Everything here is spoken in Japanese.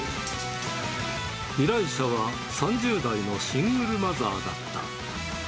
依頼者は３０代のシングルマザーだった。